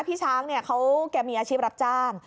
พี่ช้างเขาแก่มีอาชีพรับจ้าง